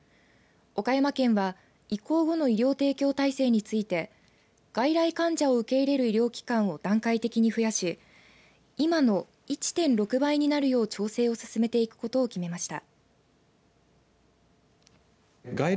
岡山県は移行後の医療提供体制について外来患者を受け入れる機関を段階的に増やし今の１．６倍になるよう調整を進めていくことを決めました。